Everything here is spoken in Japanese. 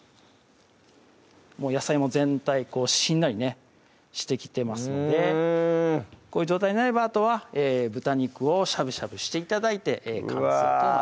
もう野菜も全体しんなりねしてきてますのでこういう状態になればあとは豚肉をしゃぶしゃぶして頂いて完成となります